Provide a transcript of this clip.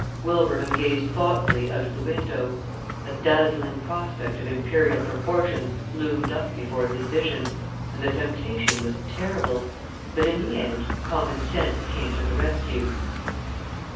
Wilbraham gazed thoughtfully out of the window. A dazzling prospect of imperial proportions loomed up before his vision, and the temptation was terrible, but in the end common sense came to the rescue.